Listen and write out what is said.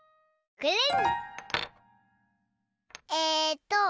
くるん。